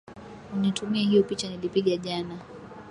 Unitumie hiyo picha nilipiga jana